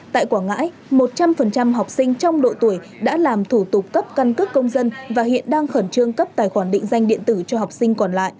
tại quảng ngãi một trăm linh học sinh trong độ tuổi đã làm thủ tục cấp căn cước công dân và hiện đang khẩn trương cấp tài khoản định danh điện tử cho học sinh còn lại